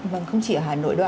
vâng không chỉ ở hà nội đâu ạ